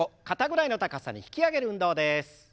肩ぐらいの高さに引き上げる運動です。